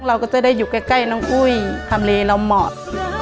เราก็จะได้อยู่ใกล้น้องอุ้ยทำเลเราเหมาะ